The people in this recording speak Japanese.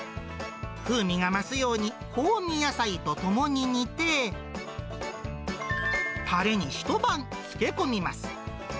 風味が増すように、香味野菜とともに煮て、たれに一晩漬け込みます。